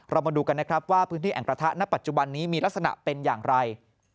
มาดูกันนะครับว่าพื้นที่แอ่งกระทะณปัจจุบันนี้มีลักษณะเป็นอย่างไร